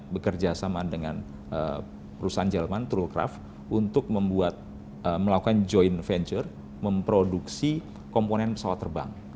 bekerjasama dengan perusahaan jerman trucraft untuk membuat melakukan joint venture memproduksi komponen pesawat terbang